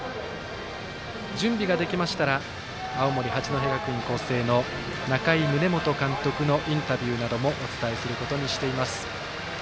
準備ができましたら青森、八戸学院光星の仲井宗基監督のインタビューなどお伝えすることにしています。